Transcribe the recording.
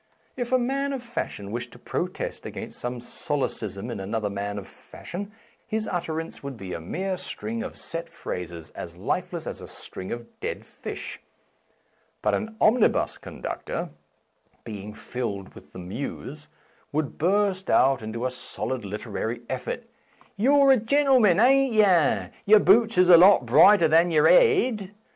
i' If a man of fashion wished to protest against some solecism in another man of fashion, his 'itterance would be a mere string of set phrases, as lifeless as a string of dead fish. But an omnibus conductor (being filled with the Muse) would burst out into a snid literary effort :" You're a gen'leman, aren't yer ... yer boots is a lot brighter than yer 'ed ..